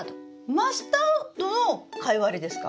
マスタードのカイワレですか？